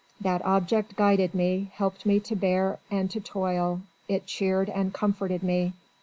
That object guided me, helped me to bear and to toil, it cheered and comforted me!